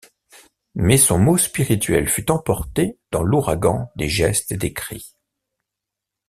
Mais son mot spirituel fut emporté dans l’ouragan des gestes et des cris.